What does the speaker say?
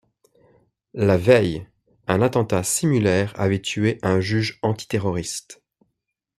La veille, un attentat similaire avait tué un juge antiterroriste.